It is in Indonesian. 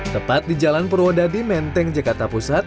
tepat di jalan purwodadi menteng jakarta pusat